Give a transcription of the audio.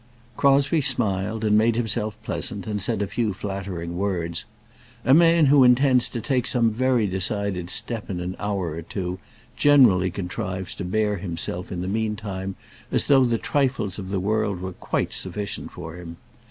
Crosbie smiled, and made himself pleasant, and said a few flattering words. A man who intends to take some very decided step in an hour or two generally contrives to bear himself in the meantime as though the trifles of the world were quite sufficient for him.